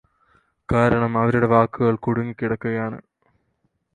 കാരണം അവരുടെ വാക്കുകൾ കുടുങ്ങിക്കിടക്കുകയാണ്